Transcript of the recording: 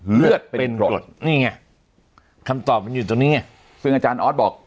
เลือดเป็นกรดนี่ไงคำตอบมันอยู่ตรงนี้ไงซึ่งอาจารย์ออสบอก